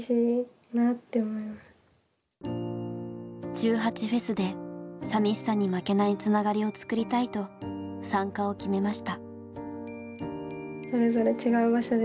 １８祭でさみしさに負けないつながりを作りたいと参加を決めました。